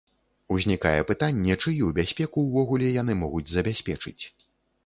Узнікае пытанне, чыю бяспеку ўвогуле яны могуць забяспечыць?